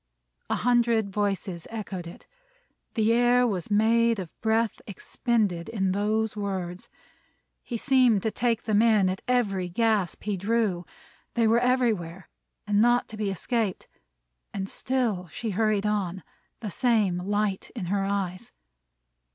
A hundred voices echoed it. The air was made of breath expended in those words. He seemed to take them in, at every gasp he drew. They were everywhere, and not to be escaped. And still she hurried on; the same light in her eyes.